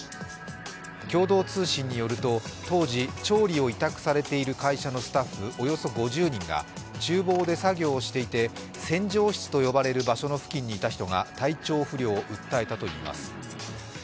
共同通信によると、当時、調理を委託されている会社のスタッフ、およそ５０人がちゅう房で作業をしていて洗浄室と呼ばれる場所の付近にいた人が体調不良を訴えたといいます。